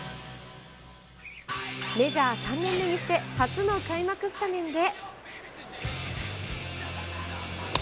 メジャー３年目にして初の開幕スタメンで。